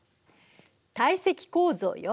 堆積構造よ。